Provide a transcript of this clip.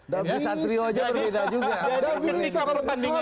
dari santrio aja berbeda juga